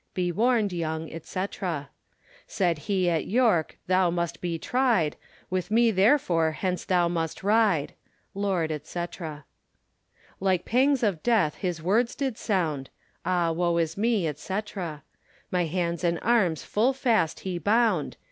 Be warned yong, &c. Said he at Yorke thou must be tride, With me therefore hence must thou ride. Lord, &c. Like pangues of death his words did sound: Ah woe is me, &c. My hands and armes full fast he bound.